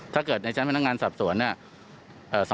ถ้าเกิดในชั้นพนักงานสรรซวร